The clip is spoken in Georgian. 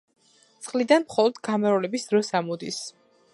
წყლიდან მხოლოდ გამრავლების დროს ამოდის.